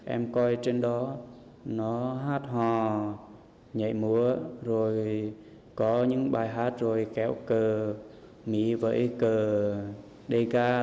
em coi trên đó nó hát hò nhạy múa rồi có những bài hát rồi kéo cờ mỉ vẫy cờ đê ca